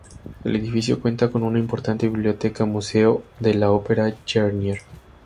El edificio cuenta con una importante Biblioteca Museo de la Ópera Garnier.